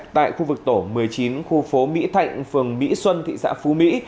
tại khu vực tổ một mươi chín khu phố mỹ thạnh phường mỹ xuân thị xã phú mỹ